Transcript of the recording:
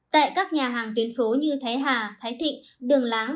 tại các nhà hàng tuyến phố như thái hà thái thịnh đường láng